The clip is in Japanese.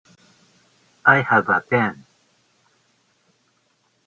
I have a pen.